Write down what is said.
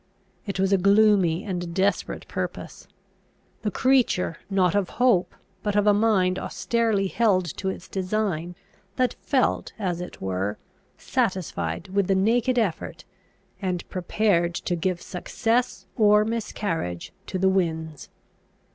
It was a gloomy and desperate purpose: the creature, not of hope, but of a mind austerely held to its design, that felt, as it were, satisfied with the naked effort, and prepared to give success or miscarriage to the winds.